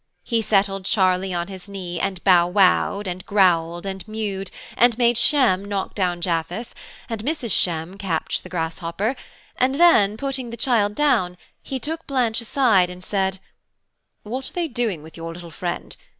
He settled Charlie on his knee and bowwowed, and growled, and mewed, and made Shem knock down Japheth, and Mrs. Shem catch the grasshopper; and then, putting the child down, he took Blanche aside, and said, "What are they doing with your little friend?